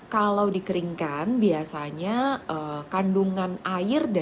biasanya kurma juga bisa dikeringkan nah kalau dikeringkan biasanya kandungan air dan minyaknya